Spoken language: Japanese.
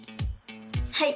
はい！